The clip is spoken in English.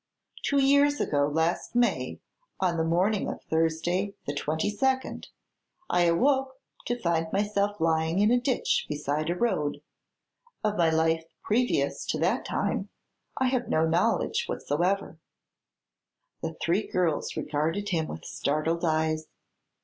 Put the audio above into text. Two years ago last May, on the morning of Thursday, the twenty second, I awoke to find myself lying in a ditch beside a road. Of my life previous to that time I have no knowledge whatever." The three girls regarded him with startled eyes.